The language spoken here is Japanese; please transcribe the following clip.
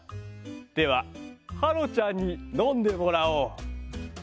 でははろちゃんにのんでもらおう。